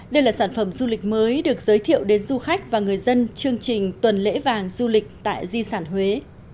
đây là sản phẩm du lịch mới được giới thiệu đến du khách và người dân chương trình tuần lễ vàng du lịch tại di sản huế